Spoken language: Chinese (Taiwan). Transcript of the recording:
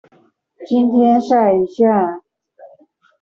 今天曬一下